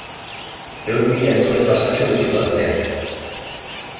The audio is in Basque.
Ehun mila entzule pasatxo ditu Gazteak.